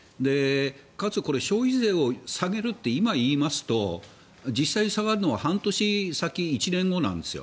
かつ消費税を下げるって今言いますと実際下がるのは半年先１年後なんです。